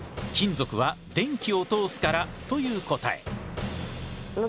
「金属は電気を通すから」という答え。